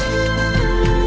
mùa không là ngôi đô